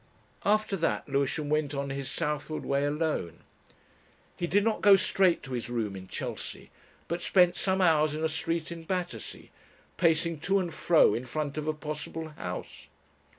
After that Lewisham went on his southward way alone. He did not go straight to his room in Chelsea, but spent some hours in a street in Battersea, pacing to and fro in front of a possible house.